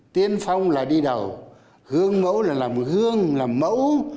tiên phong là đi đầu gương mẫu là làm gương làm mẫu